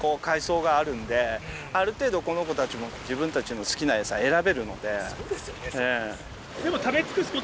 ある程度この子たちも自分たちの好きなエサ選べるので。